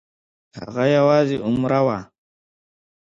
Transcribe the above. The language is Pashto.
هغه یوازې عمره وه.